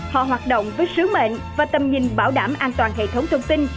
họ hoạt động với sứ mệnh và tầm nhìn bảo đảm an toàn hệ thống thông tin